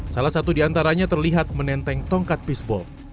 salah satu di antaranya terlihat menenteng tongkat pisbol